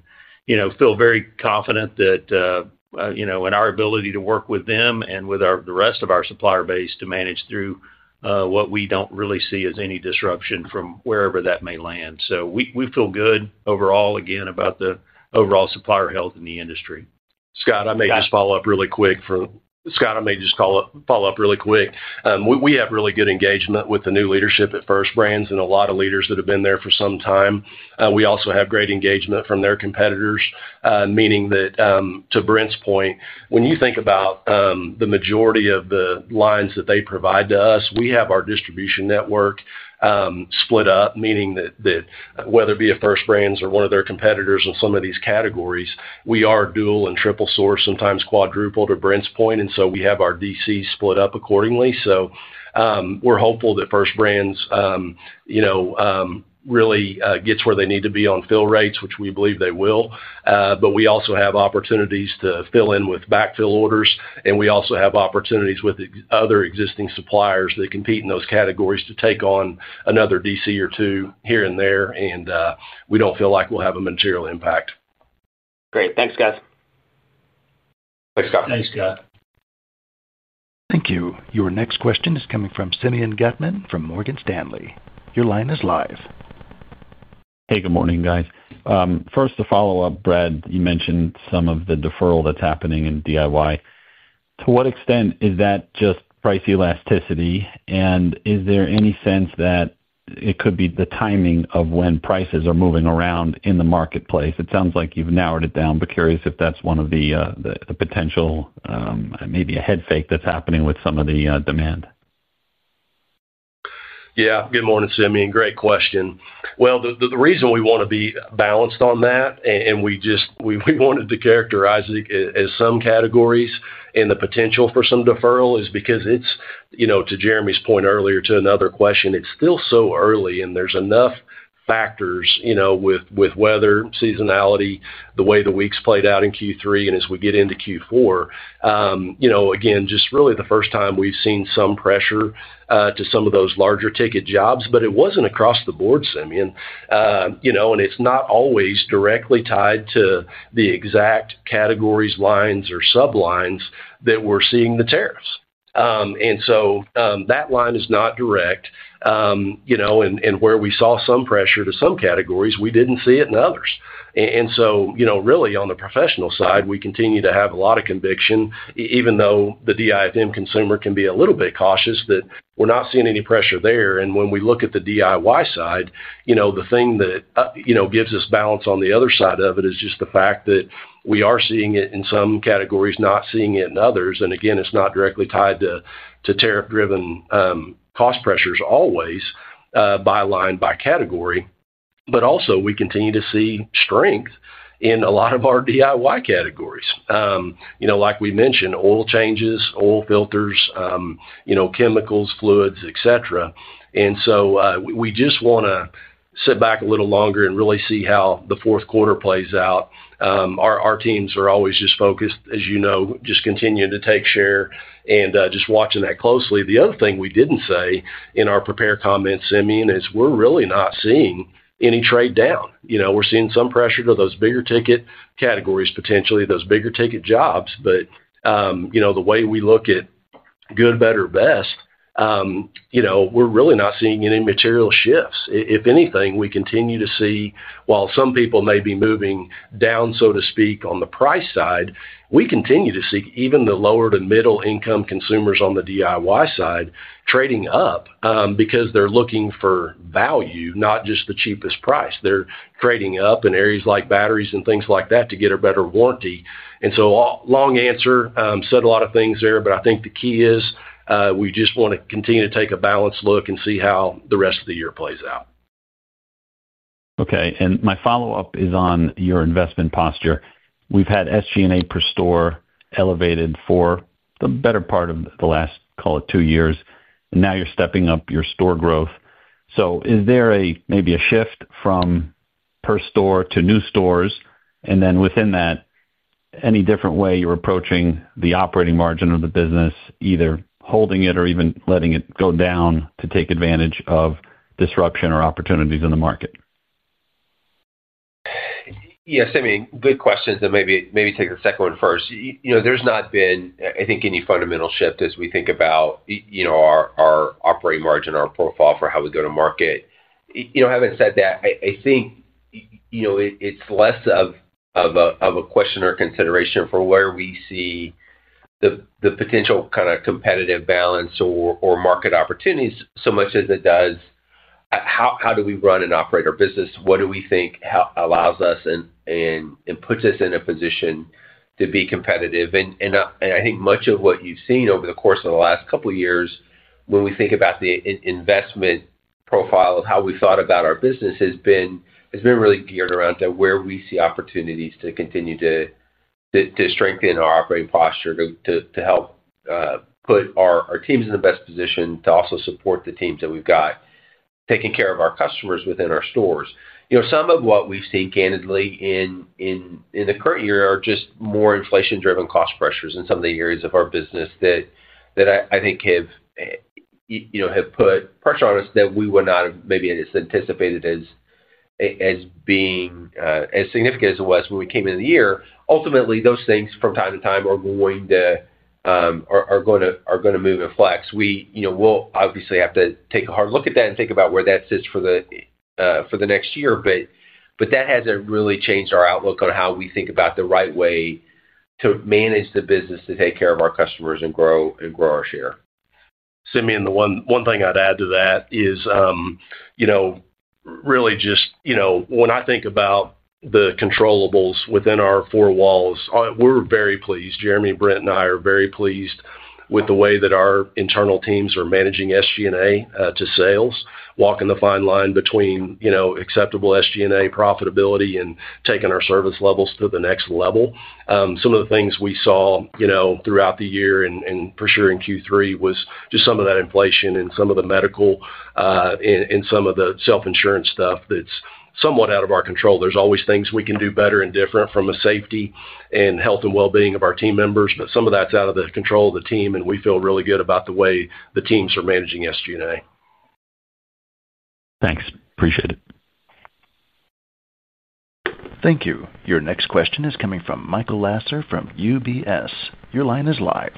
feel very confident in our ability to work with them and with the rest of our supplier base to manage through what we don't really see as any disruption from wherever that may land. We feel good overall, again, about the overall supplier health in the industry. We have really good engagement with the new leadership at First Brands and a lot of leaders that have been there for some time. We also have great engagement from their competitors, meaning that, to Brent's point, when you think about the majority of the lines that they provide to us, we have our distribution network split up, meaning that whether it be a First Brands or one of their competitors in some of these categories, we are dual and triple sourced, sometimes quadrupled to Brent's point. We have our DC split up accordingly. We're hopeful that First Brands, you know, really gets where they need to be on fill rates, which we believe they will, but we also have opportunities to fill in with backfill orders, and we also have opportunities with other existing suppliers that compete in those categories to take on another DC or two here and there. We don't feel like we'll have a material impact. Great. Thanks, guys. Thanks, Scot. Thanks, Scot. Thank you. Your next question is coming from Simeon Gutman from Morgan Stanley. Your line is live. Hey, good morning, guys. First, a follow-up, Brad. You mentioned some of the deferral that's happening in DIY. To what extent is that just price elasticity? Is there any sense that it could be the timing of when prices are moving around in the marketplace? It sounds like you've narrowed it down, but curious if that's one of the potential, maybe a head fake that's happening with some of the demand. Good morning, Simeon. Great question. The reason we want to be balanced on that and we just wanted to characterize it as some categories and the potential for some deferral is because it's, you know, to Jeremy's point earlier to another question, it's still so early and there's enough factors, you know, with weather, seasonality, the way the weeks played out in Q3, and as we get into Q4, again, just really the first time we've seen some pressure to some of those larger ticket jobs. It wasn't across the board, Simeon, and it's not always directly tied to the exact categories, lines, or sublines that we're seeing the tariffs. That line is not direct. Where we saw some pressure to some categories, we didn't see it in others. Really, on the professional side, we continue to have a lot of conviction, even though the DIFM consumer can be a little bit cautious that we're not seeing any pressure there. When we look at the DIY side, the thing that gives us balance on the other side of it is just the fact that we are seeing it in some categories, not seeing it in others. It's not directly tied to tariff-driven cost pressures always, by line, by category. We continue to see strength in a lot of our DIY categories, like we mentioned, oil changes, oil filters, chemicals, fluids, etc. We just want to sit back a little longer and really see how the fourth quarter plays out. Our teams are always just focused, as you know, just continuing to take share and just watching that closely. The other thing we didn't say in our prepared comments, Simeon, is we're really not seeing any trade down. We're seeing some pressure to those bigger ticket categories, potentially those bigger ticket jobs. The way we look at good, better, best, we're really not seeing any material shifts. If anything, we continue to see, while some people may be moving down, so to speak, on the price side, we continue to see even the lower to middle-income consumers on the DIY side trading up, because they're looking for value, not just the cheapest price. They're trading up in areas like batteries and things like that to get a better warranty. Long answer, said a lot of things there, but I think the key is, we just want to continue to take a balanced look and see how the rest of the year plays out. Okay. My follow-up is on your investment posture. We've had SG&A per store elevated for the better part of the last, call it, two years, and now you're stepping up your store growth. Is there maybe a shift from per store to new stores? Within that, any different way you're approaching the operating margin of the business, either holding it or even letting it go down to take advantage of disruption or opportunities in the market? Yeah, Simeon, good questions. Maybe take the second one first. There's not been, I think, any fundamental shift as we think about our operating margin, our profile for how we go to market. Having said that, I think it's less of a question or consideration for where we see the potential kind of competitive balance or market opportunities so much as it does how do we run and operate our business. What do we think allows us and puts us in a position to be competitive? I think much of what you've seen over the course of the last couple of years, when we think about the investment profile of how we thought about our business, has been really geared around to where we see opportunities to continue to strengthen our operating posture to help put our teams in the best position to also support the teams that we've got, taking care of our customers within our stores. Some of what we've seen, candidly, in the current year are just more inflation-driven cost pressures in some of the areas of our business that I think have put pressure on us that we would not have maybe anticipated as being as significant as it was when we came into the year. Ultimately, those things from time to time are going to move and flex. We will obviously have to take a hard look at that and think about where that sits for the next year. That hasn't really changed our outlook on how we think about the right way to manage the business to take care of our customers and grow our share. Simeon, the one thing I'd add to that is, when I think about the controllables within our four walls, we're very pleased. Jeremy, Brent, and I are very pleased with the way that our internal teams are managing SG&A to sales, walking the fine line between acceptable SG&A profitability and taking our service levels to the next level. Some of the things we saw throughout the year and for sure in Q3 was just some of that inflation and some of the medical, and some of the self-insurance stuff that's somewhat out of our control. There's always things we can do better and different from a safety and health and well-being of our team members, but some of that's out of the control of the team, and we feel really good about the way the teams are managing SG&A. Thanks. Appreciate it. Thank you. Your next question is coming from Michael Lasser from UBS Investment Bank. Your line is live.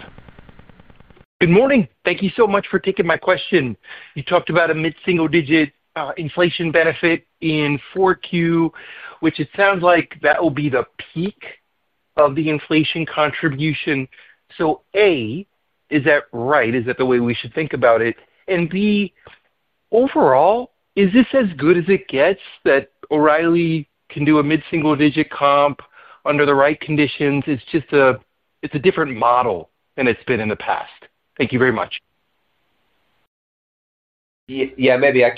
Good morning. Thank you so much for taking my question. You talked about a mid-single-digit inflation benefit in Q4, which it sounds like that will be the peak of the inflation contribution. Is that right? Is that the way we should think about it? Overall, is this as good as it gets that O'Reilly can do a mid-single-digit comp under the right conditions? It's just a different model than it's been in the past. Thank you very much. Yeah, maybe I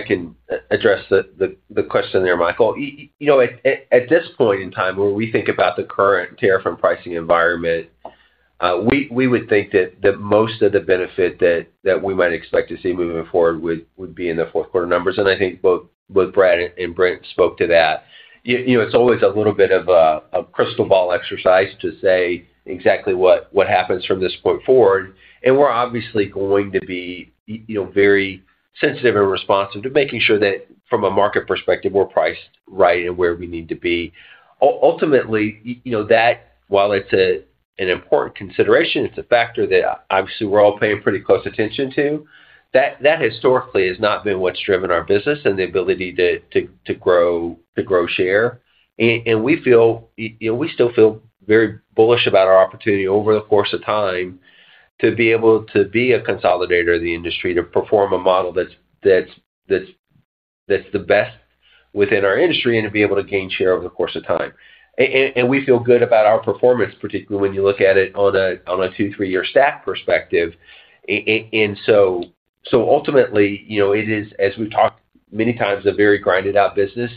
can address the question there, Michael. At this point in time, when we think about the current tariff and pricing environment, we would think that most of the benefit that we might expect to see moving forward would be in the fourth quarter numbers. I think both Brad and Brent spoke to that. It's always a little bit of a crystal ball exercise to say exactly what happens from this point forward. We're obviously going to be very sensitive and responsive to making sure that from a market perspective, we're priced right and where we need to be. Ultimately, while it's an important consideration, it's a factor that obviously we're all paying pretty close attention to. That historically has not been what's driven our business and the ability to grow share. We still feel very bullish about our opportunity over the course of time to be able to be a consolidator of the industry, to perform a model that's the best within our industry and to be able to gain share over the course of time. We feel good about our performance, particularly when you look at it on a two, three-year stack perspective. Ultimately, as we've talked many times, it is a very grinded-out business.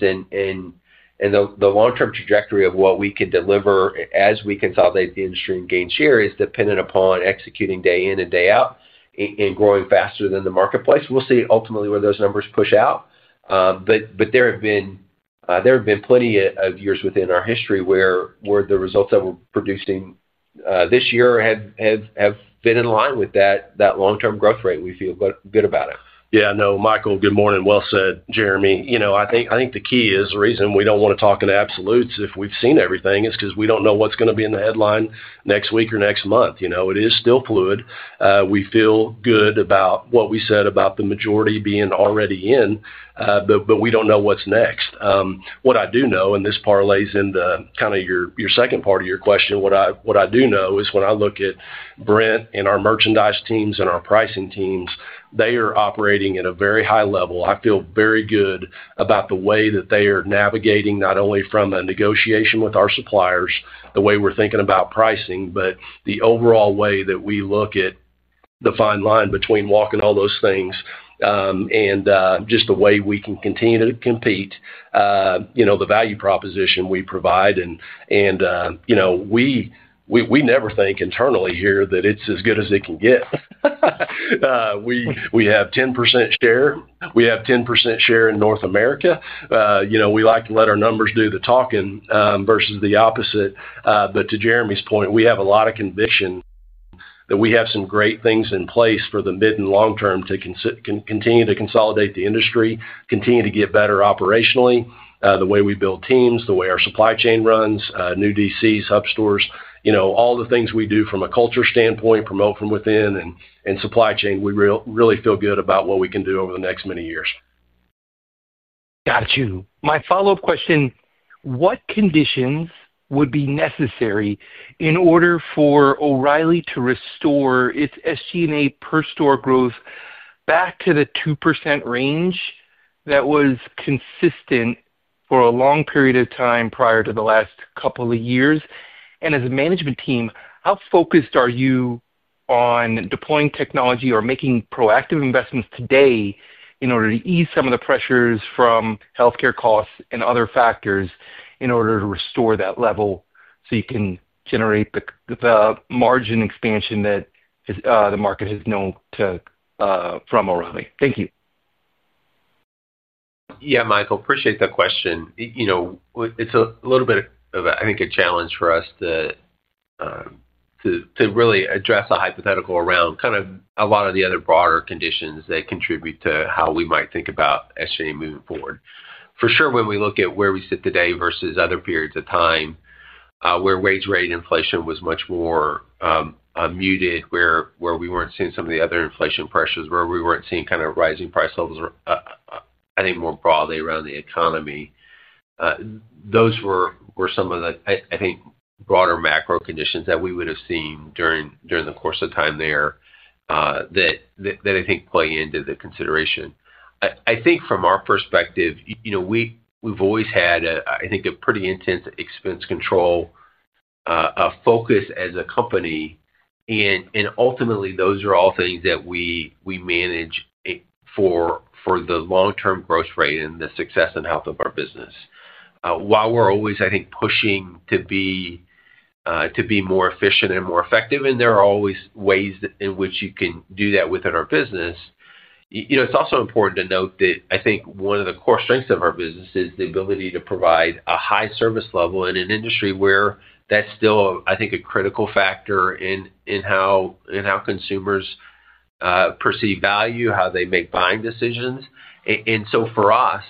The long-term trajectory of what we can deliver as we consolidate the industry and gain share is dependent upon executing day in and day out and growing faster than the marketplace. We'll see ultimately where those numbers push out. There have been plenty of years within our history where the results that we're producing this year have been in line with that long-term growth rate. We feel good about it. Yeah. No, Michael, good morning. Well said, Jeremy. I think the key is the reason we don't want to talk in absolutes if we've seen everything is because we don't know what's going to be in the headline next week or next month. It is still fluid. We feel good about what we said about the majority being already in, but we don't know what's next. What I do know, and this parlays into your second part of your question, what I do know is when I look at Brent and our merchandise teams and our pricing teams, they are operating at a very high level. I feel very good about the way that they are navigating not only from a negotiation with our suppliers, the way we're thinking about pricing, but the overall way that we look at the fine line between walking all those things, and just the way we can continue to compete, the value proposition we provide. We never think internally here that it's as good as it can get. We have 10% share. We have 10% share in North America. We like to let our numbers do the talking, versus the opposite. To Jeremy's point, we have a lot of conviction that we have some great things in place for the mid and long term to continue to consolidate the industry, continue to get better operationally, the way we build teams, the way our supply chain runs, new DCs, hub stores, all the things we do from a culture standpoint, promote from within, and supply chain. We really feel good about what we can do over the next many years. Got you. My follow-up question, what conditions would be necessary in order for O'Reilly to restore its SG&A per store growth back to the 2% range that was consistent for a long period of time prior to the last couple of years? As a management team, how focused are you on deploying technology or making proactive investments today in order to ease some of the pressures from healthcare costs and other factors in order to restore that level so you can generate the margin expansion that the market has known from O'Reilly? Thank you. Yeah, Michael, appreciate that question. It's a little bit of, I think, a challenge for us to really address a hypothetical around a lot of the other broader conditions that contribute to how we might think about SG&A moving forward. For sure, when we look at where we sit today versus other periods of time, where wage rate inflation was much more muted, where we weren't seeing some of the other inflation pressures, where we weren't seeing rising price levels, I think more broadly around the economy, those were some of the broader macro conditions that we would have seen during the course of time there that I think play into the consideration. I think from our perspective, we've always had a pretty intense expense control focus as a company. Ultimately, those are all things that we manage for the long-term growth rate and the success and health of our business. While we're always pushing to be more efficient and more effective, and there are always ways in which you can do that within our business, it's also important to note that I think one of the core strengths of our business is the ability to provide a high service level in an industry where that's still a critical factor in how consumers perceive value, how they make buying decisions. For us,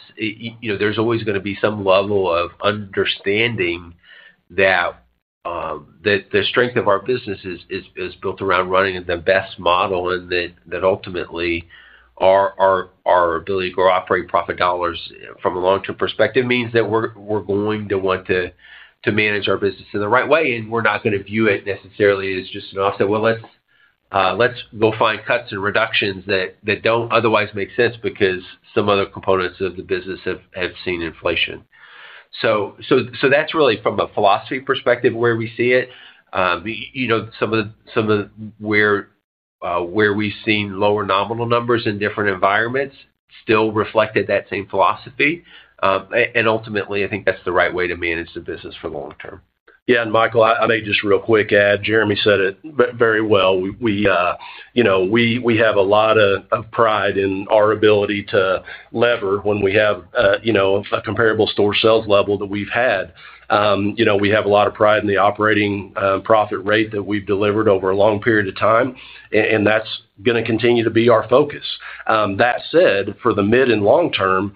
there's always going to be some level of understanding that the strength of our business is built around running in the best model and that ultimately our ability to grow operating profit dollars from a long-term perspective means that we're going to want to manage our business in the right way. We're not going to view it necessarily as just an offset. Let's go find cuts and reductions that don't otherwise make sense because some other components of the business have seen inflation. That's really from a philosophy perspective where we see it. Some of where we've seen lower nominal numbers in different environments still reflected that same philosophy. Ultimately, I think that's the right way to manage the business for the long term. Yeah. Michael, I may just real quick add, Jeremy said it very well. We have a lot of pride in our ability to lever when we have a comparable store sales level that we've had. We have a lot of pride in the operating profit rate that we've delivered over a long period of time. That's going to continue to be our focus. That said, for the mid and long term,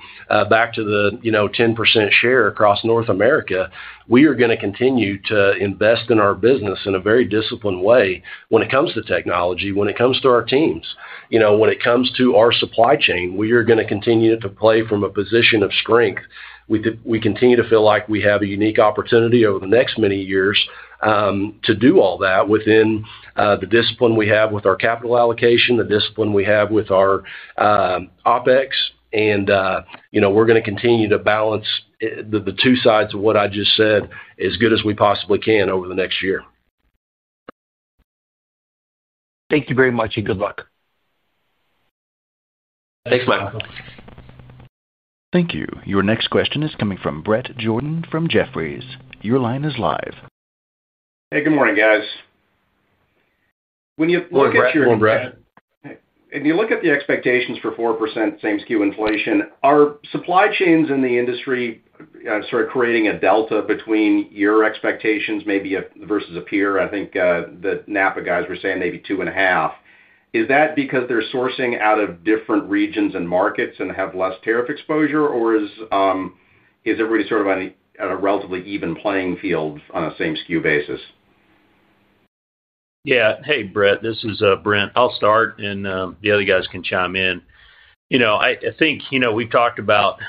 back to the 10% share across North America, we are going to continue to invest in our business in a very disciplined way when it comes to technology, when it comes to our teams, when it comes to our supply chain. We are going to continue to play from a position of strength. We continue to feel like we have a unique opportunity over the next many years to do all that within the discipline we have with our capital allocation, the discipline we have with our OpEx. We're going to continue to balance the two sides of what I just said as good as we possibly can over the next year. Thank you very much, and good luck. Thanks, Michael. Thank you. Your next question is coming from Brent Jordan from Jefferies. Your line is live. Hey, good morning, guys. Good morning, Brent. When you look at your expectations and you look at the expectations for 4% same-SKU inflation, are supply chains in the industry sort of creating a delta between your expectations maybe versus a peer? I think the NAPA guys were saying maybe 2.5%. Is that because they're sourcing out of different regions and markets and have less tariff exposure, or is everybody sort of on a relatively even playing field on a same-SKU basis? Yeah. Hey, Brent. This is Brent. I'll start, and the other guys can chime in. I think we've talked about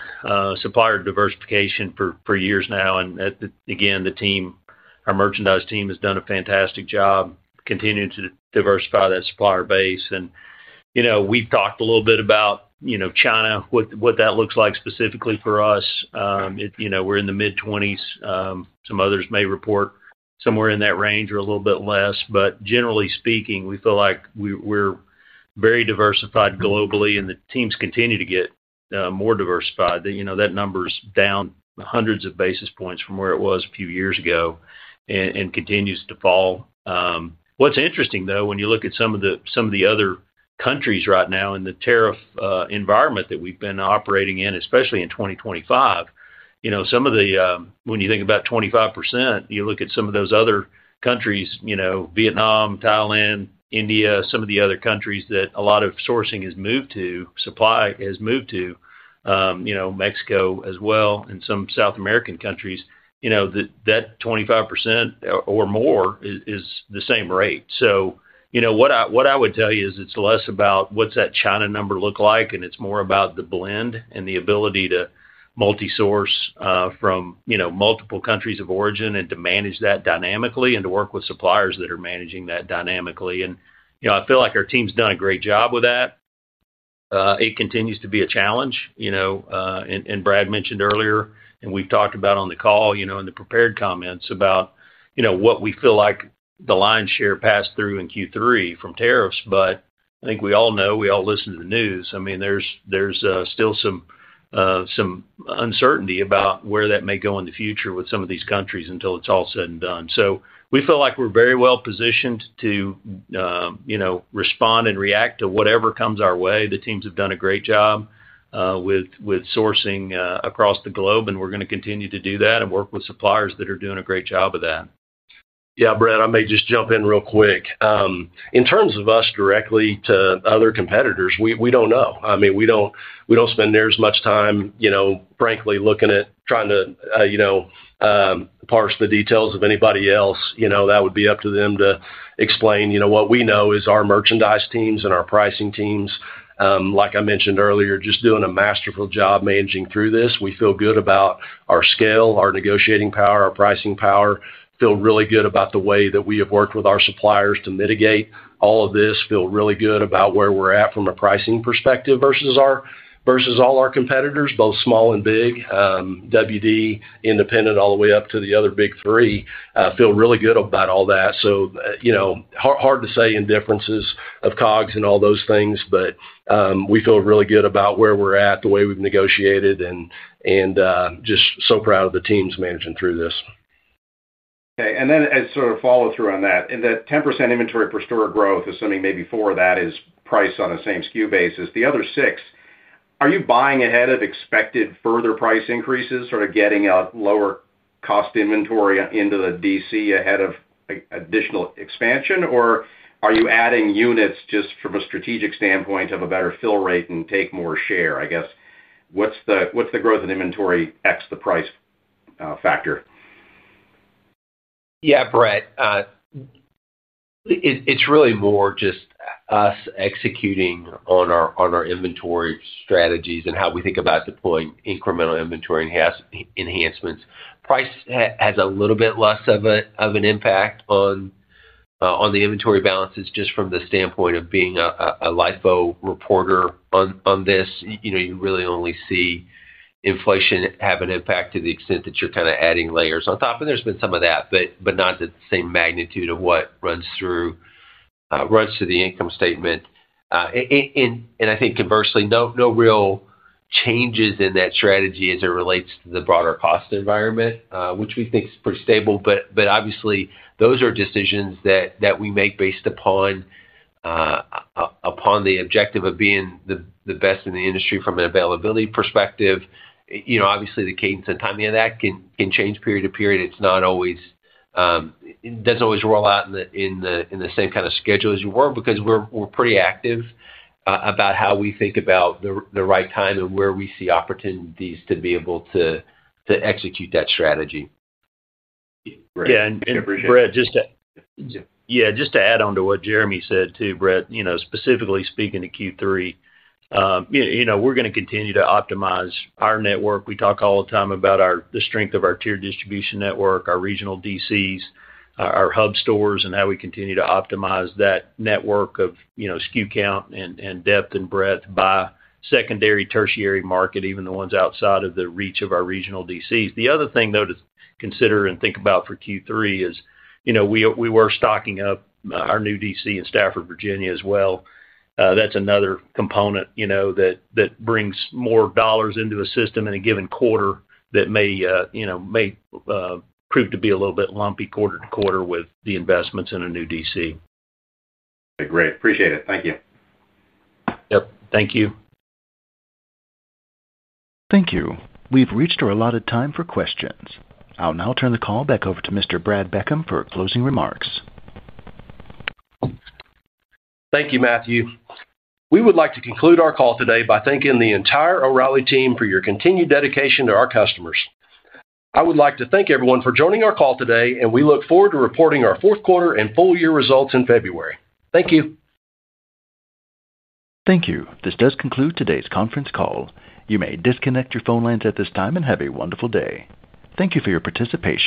supplier diversification for years now. The team, our merchandise team, has done a fantastic job continuing to diversify that supplier base. We've talked a little bit about China, what that looks like specifically for us. We're in the mid-20s. Some others may report somewhere in that range or a little bit less. Generally speaking, we feel like we're very diversified globally, and the teams continue to get more diversified. That number is down hundreds of basis points from where it was a few years ago and continues to fall. What's interesting, though, when you look at some of the other countries right now in the tariff environment that we've been operating in, especially in 2025, when you think about 25%, you look at some of those other countries—Vietnam, Thailand, India, some of the other countries that a lot of sourcing has moved to, supply has moved to, Mexico as well, and some South American countries—that 25% or more is the same rate. What I would tell you is it's less about what's that China number look like, and it's more about the blend and the ability to multi-source from multiple countries of origin and to manage that dynamically and to work with suppliers that are managing that dynamically. I feel like our team's done a great job with that. It continues to be a challenge, and Brad mentioned earlier, and we've talked about on the call, in the prepared comments about what we feel like the lion's share passed through in Q3 from tariffs. I think we all know, we all listen to the news. There's still some uncertainty about where that may go in the future with some of these countries until it's all said and done. We feel like we're very well positioned to respond and react to whatever comes our way. The teams have done a great job with sourcing across the globe, and we're going to continue to do that and work with suppliers that are doing a great job of that. Yeah, Brent, I may just jump in real quick. In terms of us directly to other competitors, we don't know. I mean, we don't spend near as much time, frankly, looking at trying to parse the details of anybody else. That would be up to them to explain. What we know is our merchandise teams and our pricing teams, like I mentioned earlier, just doing a masterful job managing through this. We feel good about our scale, our negotiating power, our pricing power. Feel really good about the way that we have worked with our suppliers to mitigate all of this. Feel really good about where we're at from a pricing perspective versus all our competitors, both small and big, WD, independent, all the way up to the other big three. I feel really good about all that. Hard to say in differences of COGS and all those things, but we feel really good about where we're at, the way we've negotiated, and just so proud of the teams managing through this. Okay. As a follow-through on that, in that 10% inventory per store growth, assuming maybe 4% of that is price on a same-SKU basis, the other 6%, are you buying ahead of expected further price increases, getting a lower cost inventory into the DC ahead of additional expansion, or are you adding units just from a strategic standpoint of a better fill rate and to take more share? What's the growth in inventory excluding the price factor? Yeah, Brent. It's really more just us executing on our inventory strategies and how we think about deploying incremental inventory enhancements. Price has a little bit less of an impact on the inventory balances just from the standpoint of being a LIFO reporter on this. You really only see inflation have an impact to the extent that you're kind of adding layers on top. There's been some of that, but not at the same magnitude of what runs through the income statement. I think conversely, no real changes in that strategy as it relates to the broader cost environment, which we think is pretty stable. Obviously, those are decisions that we make based upon the objective of being the best in the industry from an availability perspective. Obviously, the cadence and timing of that can change period to period. It doesn't always roll out in the same kind of schedule because we're pretty active about how we think about the right time and where we see opportunities to be able to execute that strategy. Yeah. Brent, just to add on to what Jeremy said too, Brent, specifically speaking to Q3, we're going to continue to optimize our network. We talk all the time about the strength of our tiered distribution network, our regional DCs, our hub stores, and how we continue to optimize that network of SKU count and depth and breadth by secondary, tertiary market, even the ones outside of the reach of our regional DCs. The other thing to consider and think about for Q3 is we were stocking up our new DC in Stafford, Virginia as well. That's another component that brings more dollars into a system in a given quarter that may prove to be a little bit lumpy quarter to quarter with the investments in a new DC. Okay. Great. Appreciate it. Thank you. Thank you. Thank you. We've reached our allotted time for questions. I'll now turn the call back over to Mr. Brad Beckham for closing remarks. Thank you, Matthew. We would like to conclude our call today by thanking the entire O'Reilly team for your continued dedication to our customers. I would like to thank everyone for joining our call today, and we look forward to reporting our fourth quarter and full-year results in February. Thank you. Thank you. This does conclude today's conference call. You may disconnect your phone lines at this time and have a wonderful day. Thank you for your participation.